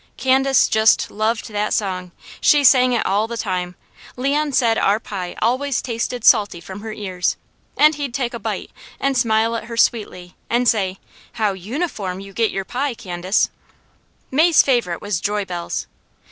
Candace just loved that song. She sang it all the time. Leon said our pie always tasted salty from her tears, and he'd take a bite and smile at her sweetly and say: "How UNIFORM you get your pie, Candace!" May's favourite was "Joy Bells."